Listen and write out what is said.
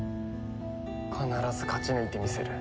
必ず勝ち抜いてみせる。